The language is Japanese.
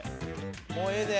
もうええで。